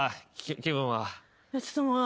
気分は。